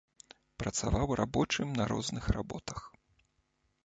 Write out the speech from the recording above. Працаваў рабочым на розных работах.